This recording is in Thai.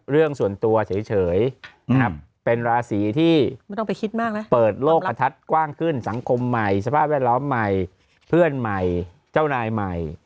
เรื่องส่วนตัวเฉยเป็นราศีที่เปิดโลกประทัดกว้างขึ้นสังคมใหม่สภาพแวดร้อมใหม่เพื่อนใหม่เจ้านายใหม่